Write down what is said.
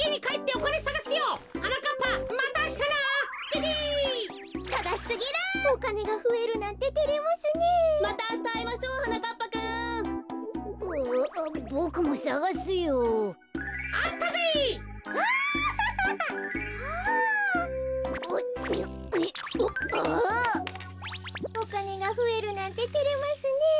おかねがふえるなんててれますねえ。